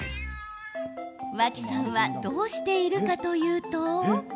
脇さんはどうしているかというと。